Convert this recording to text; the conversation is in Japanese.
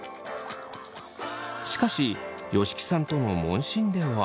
しかし吉木さんとの問診では。